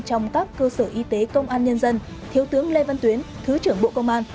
trong các cơ sở y tế công an nhân dân thiếu tướng lê văn tuyến thứ trưởng bộ công an